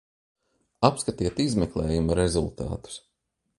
Apskatiet izmeklējuma rezultātus!